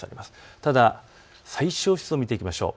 ただ最小湿度を見ていきましょう。